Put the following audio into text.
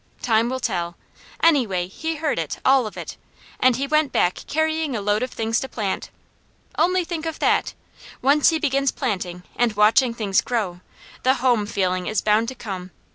"Time will tell. Anyway, he heard it, all of it, and he went back carrying a load of things to plant. Only think of that! Once he begins planting, and watching things grow, the home feeling is bound to come.